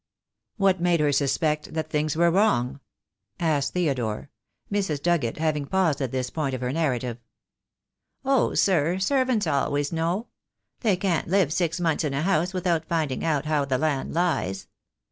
"What made her suspect that things were wrong?" THE DAY WILL COME. 73 asked Theodore, Mrs. Dugget having paused at this point of her narrative. "Oh, sir, servants always know. They can't live six months in a house without finding out how the land lies.